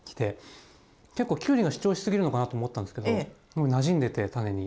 結構きゅうりが主張し過ぎるのかなって思ったんですけどなじんでてタネに。